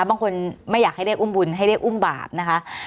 บางคนไม่อยากให้เรียกอุ้มบุญให้เรียกอุ้มบาปนะคะ